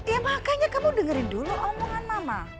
ya makanya kamu dengerin dulu omongan mama